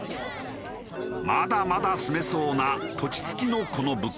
まだまだ住めそうな土地付きのこの物件。